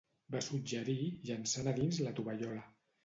Va suggerir llençant a dins la tovallola.